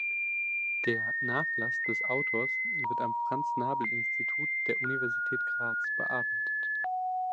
Der Nachlass des Autors wird am Franz-Nabl-Institut der Universität Graz bearbeitet.